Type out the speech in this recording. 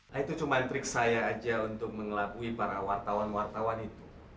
nah itu cuma trik saya aja untuk mengelabui para wartawan wartawan itu